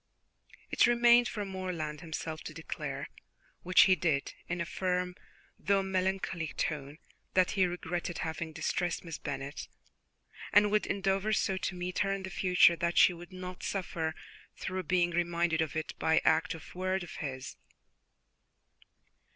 It remained for Morland himself to declare, which he did in a firm though melancholy tone, that he regretted having distressed Miss Bennet, and would endeavour so to meet her in the future that she would not suffer through being reminded of it by any act of word of his.